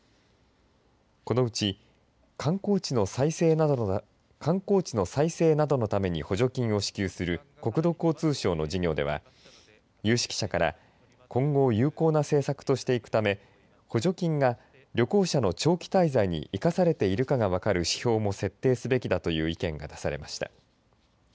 このうち観光地の再生などのために補助金を支給する国土交通省の事業では有識者から今後、有効な政策としていくため補助金が旅行者の長期滞在に生かされているかが分かる指標も設定すべきだという意見が出されました。